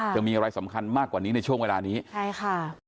จะมีอะไรสำคัญมากกว่านี้ในช่วงเวลานี้ใช่ค่ะ